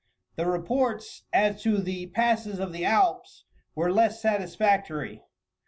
The reports as to the passes of the Alps were less satisfactory.